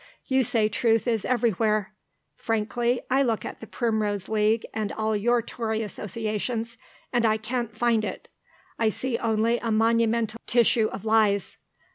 You say truth is everywhere. Frankly, I look at the Primrose League, and all your Tory Associations, and I can't find it. I see only a monumental tissue of lies.